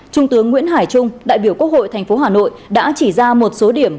trung tướng nguyễn hải trung đại biểu quốc hội thành phố hà nội đã chỉ ra một số điểm